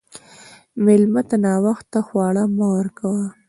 مېلمه ته ناوخته خواړه مه ورکوه.